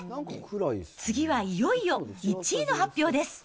次はいよいよ１位の発表です。